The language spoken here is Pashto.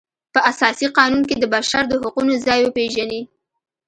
په اساسي قانون کې د بشر د حقونو ځای وپیژني.